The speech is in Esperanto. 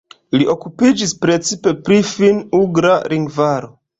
Li okupiĝis precipe pri finn-ugra lingvaro.